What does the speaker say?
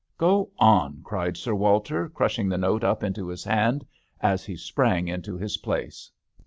" Go on !" cried Sir Walter, crushing the note up into his hand as he sprang into his place.